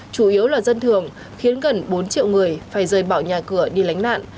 chủ yếu là dân thường khiến gần bốn triệu người phải rời bỏ nhà cửa đi lánh nạn